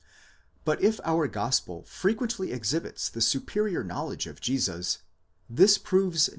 But if our gospel frequently exhibits the superior knowledge of Jesus, this proves.